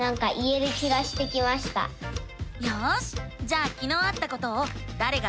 よしじゃあきのうあったことを「だれが」